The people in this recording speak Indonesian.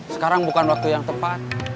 sekarang bukan waktu yang tepat